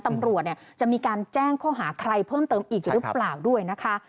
ตำรวจเนี่ยจะมีการแจ้งข้อหาใครเพิ่มเติมอีกหรือเปล่าด้วยนะคะ